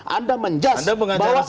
anda menjas bahwa nkri